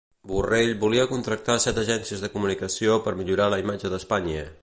Borrell volia contractar set agències de comunicació per millorar la imatge d'Espanya.